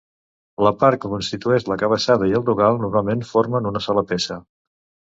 La part que constitueix la cabeçada i el dogal normalment formen una sola peça.